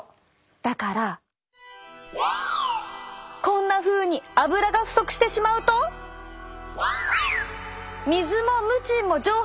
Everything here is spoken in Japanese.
だからこんなふうにアブラが不足してしまうと水もムチンも蒸発。